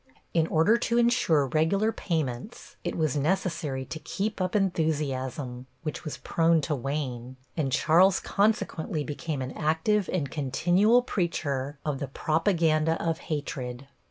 In order to insure regular payments it was necessary to keep up enthusiasm, which was prone to wane, and Charles consequently became an active and continual preacher of the propaganda of hatred.